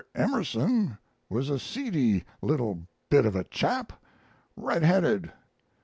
Emerson was a seedy little bit of a chap, red headed.